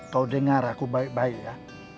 kau dengar aku baik baik ya